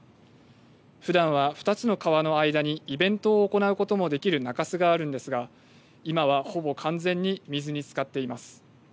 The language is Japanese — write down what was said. ふだんは２つの川の間にイベントを行うこともできる中州があるんですが今は、ほぼ完全に水につかっています。